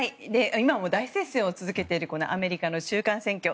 今も大接戦を続けているアメリカの中間選挙。